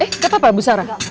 eh gak apa apa bu sarah